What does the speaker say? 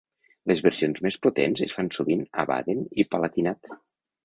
Les versions més potents es fan sovint a Baden i Palatinat.